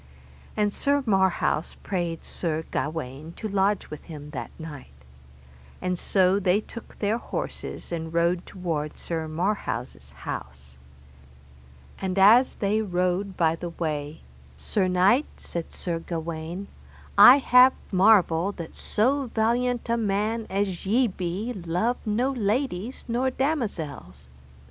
And Sir Marhaus prayed Sir Gawaine to lodge with him that night. And so they took their horses, and rode toward Sir Marhaus' house. And as they rode by the way, Sir knight, said Sir Gawaine, I have marvel that so valiant a man as ye be love no ladies nor damosels.